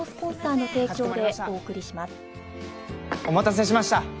お待たせしました。